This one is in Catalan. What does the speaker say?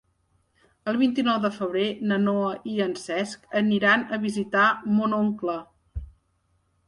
El vint-i-nou de febrer na Noa i en Cesc aniran a visitar mon oncle.